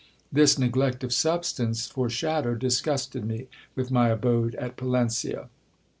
This neglect of substance for shadow disgusted me with my abode at Palencia.